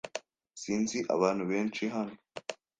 Sinzi abantu benshi hano.